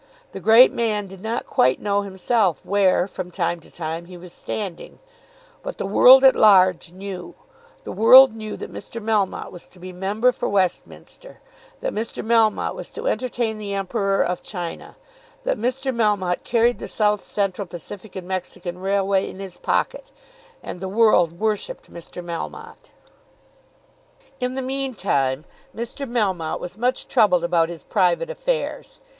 The great man did not quite know himself where, from time to time, he was standing. But the world at large knew. The world knew that Mr. Melmotte was to be Member for Westminster, that Mr. Melmotte was to entertain the Emperor of China, that Mr. Melmotte carried the South Central Pacific and Mexican Railway in his pocket; and the world worshipped Mr. Melmotte. In the meantime Mr. Melmotte was much troubled about his private affairs.